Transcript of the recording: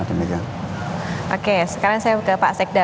oke sekarang saya ke pak sekda